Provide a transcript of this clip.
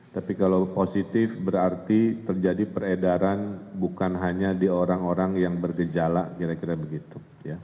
tapi kalau positif berarti terjadi peredaran bukan hanya di orang orang yang bergejala kira kira begitu